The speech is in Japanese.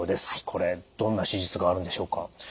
これどんな手術があるんでしょうか？